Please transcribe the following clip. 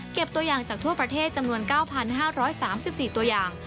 ตัวอย่างจากทั่วประเทศจำนวน๙๕๓๔ตัวอย่าง